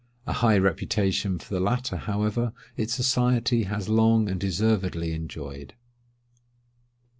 A high reputation for the latter, however, its society has long and deservedly enjoyed.